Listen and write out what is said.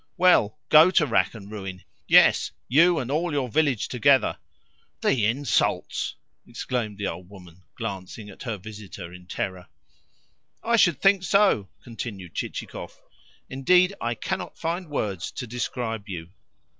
Well, go to rack and ruin yes, you and all your village together!" "The insults!" exclaimed the old woman, glancing at her visitor in terror. "I should think so!" continued Chichikov. "Indeed, I cannot find words to describe you.